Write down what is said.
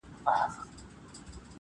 فرعونان مي ډوبوله -